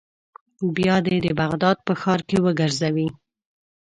بیا دې د بغداد په ښار کې وګرځوي.